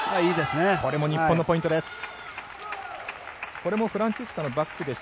これも日本のポイントです。